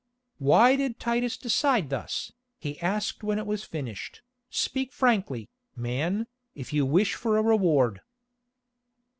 "Why did Titus decide thus?" he asked when it was finished. "Speak frankly, man, if you wish for a reward."